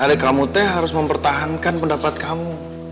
hari kamu teh harus mempertahankan pendapat kamu